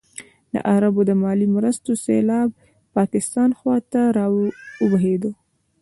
د عربو د مالي مرستو سېلاب پاکستان خوا ته راوبهېده.